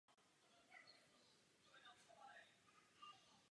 Tyto rozvětvené izomery jsou stabilnější.